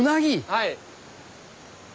はい。